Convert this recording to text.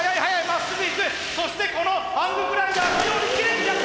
そしてこのハンググライダーのようにきれいに落下！